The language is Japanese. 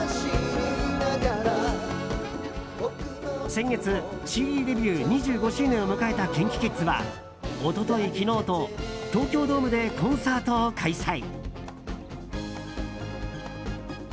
先月ＣＤデビュー２５周年を迎えたＫｉｎＫｉＫｉｄｓは一昨日、昨日と東京ドームでコンサートを開催。